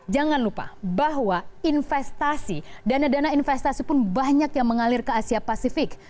jangan lupa bahwa investasi dana dana investasi pun banyak yang mengalir ke asia pasifik